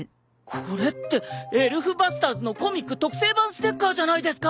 これって『エルフバスターズ』のコミック特製版ステッカーじゃないですか。